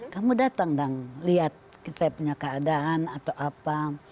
kamu datang dan lihat saya punya keadaan atau apa